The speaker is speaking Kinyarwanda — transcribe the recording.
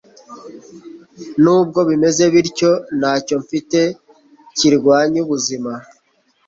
nubwo bimeze bityo, ntacyo mfite kirwanya ubuzima